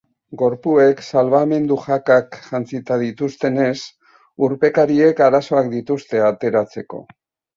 Gorpuek salbamendu-jakak jantzita dituztenez, urpekariek arazoak dituzte ateratzeko.